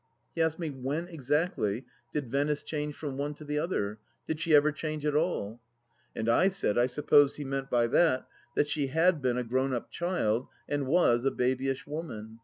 He asked me when exactly did Venice change from one to the other ?— did she ever change at all ? And I said I supposed he meant by that, that she had been a grown up child and was a babyish woman.